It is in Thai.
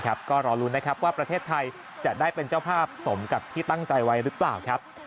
ก็รอลุ้นนะครับว่าประเทศไทยจะได้เป็นเจ้าภาพสมกับที่ตั้งใจไว้หรือเปล่าครับ